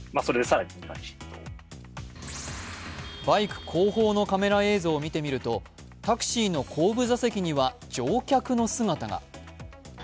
バイク後方のカメラ映像を見てみるとタクシーの後部座席には乗客の姿が。